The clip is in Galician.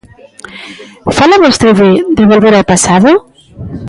Fala vostede de volver ao pasado?